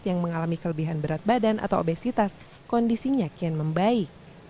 yang mengalami kelebihan berat badan atau obesitas kondisinya kian membaik